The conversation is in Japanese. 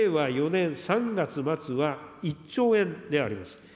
４年３月末は１兆円であります。